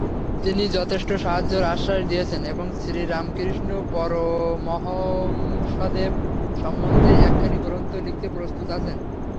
তিনি যথেষ্ট সাহায্যের আশ্বাস দিয়েছেন এবং শ্রীরামকৃষ্ণ পরমহংসদেব সম্বন্ধে একখানি গ্রন্থ লিখতে প্রস্তুত আছেন।